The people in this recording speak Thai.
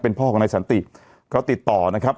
เป็นพ่อกับนายสันติเขาติดต่อนะครับ